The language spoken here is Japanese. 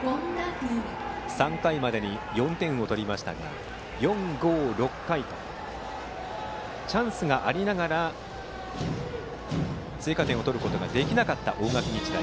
３回までに４点を取りましたが４、５、６回とチャンスがありながら追加点を取れなかった大垣日大。